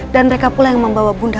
dan mereka pula yang membawa bunda